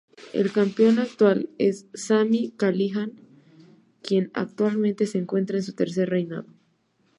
El campeón actual es Sami Callihan, quien actualmente se encuentra en su tercer reinado.